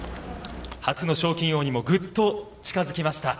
◆初の賞金王にも、ぐっと近づきました。